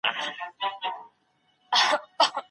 زه غواړم چي د سياسي جريانونو تاريخي امتداد وپېژنم.